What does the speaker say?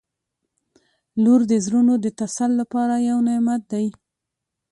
• لور د زړونو د تسل لپاره یو نعمت دی.